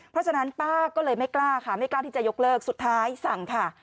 เพราะฉะนั้นป้าก็เลยไม่กล้าค่ะไม่กล้าที่จะยกเลิกสุดท้ายสั่งค่ะ